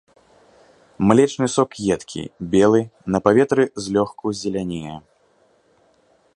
Млечны сок едкі, белы, на паветры злёгку зелянее.